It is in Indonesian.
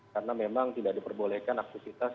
karena memang tidak diperbolehkan aktivitas